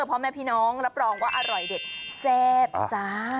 พ่อแม่พี่น้องรับรองว่าอร่อยเด็ดแซ่บจ้า